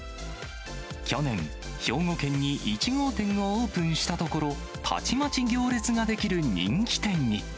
去年、兵庫県に１号店をオープンしたところ、たちまち行列が出来る人気店に。